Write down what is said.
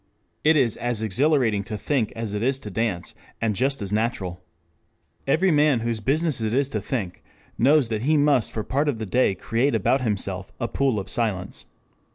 It is as exhilarating to think as it is to dance, and just as natural. Every man whose business it is to think knows that he must for part of the day create about himself a pool of silence.